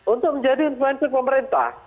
untuk menjadi influencer pemerintah